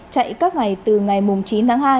chạy các ngày từ ngày chín tháng hai